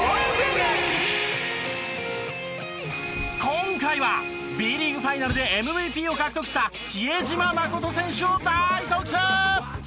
今回はＢリーグファイナルでＭＶＰを獲得した比江島慎選手を大特集！